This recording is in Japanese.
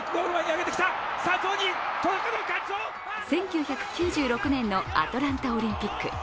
１９９６年のアトランタオリンピック。